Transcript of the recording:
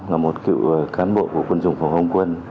là một cựu cán bộ của quân chủng phòng không hồng quân